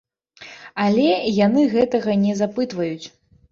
Але яны гэтага не запытваюць.